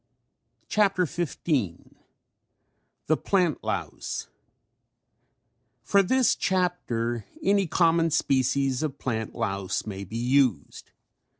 ] CHAPTER XV THE PLANT LOUSE For this chapter any common species of plant louse may be used.